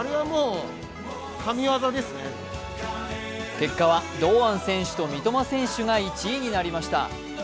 結果は堂安選手と三笘選手が１位になりました。